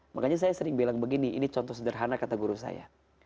makanya saya sering bilang begini ini contoh sederhana kata guru saya